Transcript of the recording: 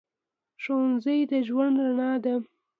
ښوونځی د ژوند رڼا ده